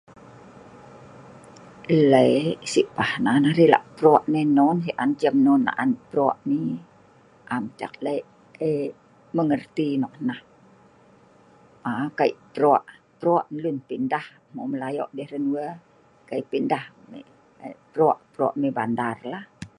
Enleh sipah nan arai lah' pro' nen non si an cem naan pro' nah yi, am tah ek leh' mengerti nok nah mau kai pro', pro lun pindah hmeu melayoh' dei hran we, Kai pindah, pro' pro' mai bandallah.